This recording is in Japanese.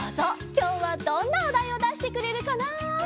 きょうはどんなおだいをだしてくれるかな？